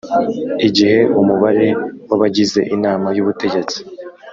Igihe umubare w abagize inama y ubutegetsi